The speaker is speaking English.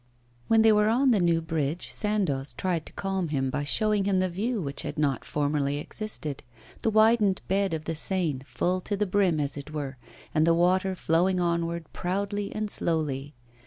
When they were on the new bridge, Sandoz tried to calm him by showing him the view which had not formerly existed, the widened bed of the Seine, full to the brim, as it were, and the water flowing onward, proudly and slowly.